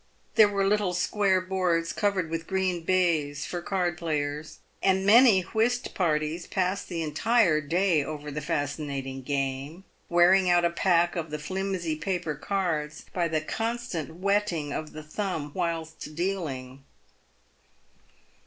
There were little square boards covered with green baize for card players, and many whist parties passed the entire day over the fascinating game, wearing out a pack of the flimsy paper cards by the constant wetting of the thumb whilst dealing.